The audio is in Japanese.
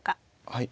はい。